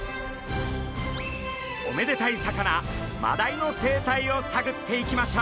おめでたい魚マダイの生態をさぐっていきましょう！